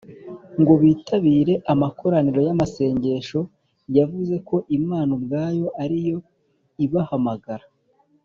ngo bitabire amakoraniro y’amasengesho. yavuze ko imana ubwayo ariyo ibahamagara.